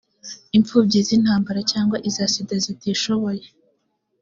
imfubyi z’intambara cyangwa iza sida zitishoboye